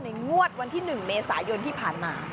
งวดวันที่๑เมษายนที่ผ่านมา